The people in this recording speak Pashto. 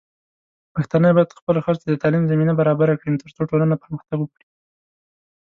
پښتانه بايد خپلو ښځو ته د تعليم زمينه برابره کړي، ترڅو ټولنه پرمختګ وکړي.